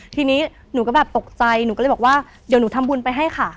ทีนี้หนูก็แบบตกใจหนูก็เลยบอกว่าเดี๋ยวหนูทำบุญไปให้ค่ะ